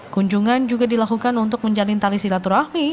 kunjungan juga dilakukan untuk menjalin tali silaturahmi